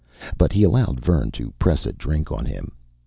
But he allowed Vern to press a drink on him.